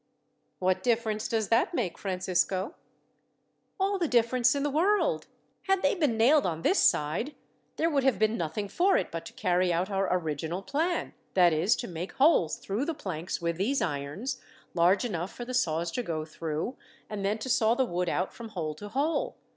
"What difference does that make, Francisco?" "All the difference in the world. Had they been nailed on this side, there would have been nothing for it but to carry out our original plan that is, to make holes through the planks with these irons, large enough for the saws to go through, and then to saw the wood out from hole to hole.